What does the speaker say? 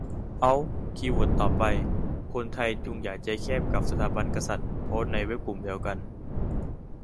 เอ้า คีย์เวิร์ดต่อไป "คนไทยจงอย่าใจแคบกับสถาบันกษัตริย์" โพสต์ในเว็บกลุ่มเดียวกัน